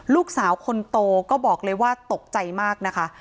ลูกสาวคนโตก็บอกเลยว่าตกใจมากนะคะ